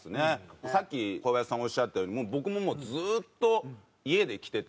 さっきコバヤシさんがおっしゃったように僕ももうずっと家で着てて。